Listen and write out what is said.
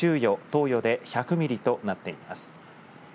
東予で１００ミリとなっています。